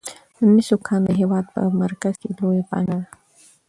د مسو کان د هیواد په مرکز کې لویه پانګه ده.